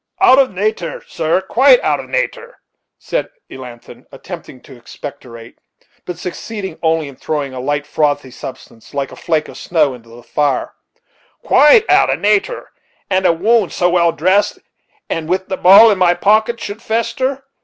"Out of nater, sir, quite out of nater," said Elnathan, attempting to expectorate, but succeeding only in throwing a light, frothy substance, like a flake of snow, into the fire "quite out of nater that a wound so well dressed, and with the ball in my pocket, should fester.